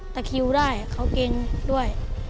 ตะคิวได้เขาเก่งด้วย